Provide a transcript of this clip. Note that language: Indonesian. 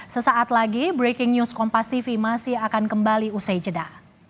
sesaat lagi breaking news kompas tv masih akan kembali usai jeda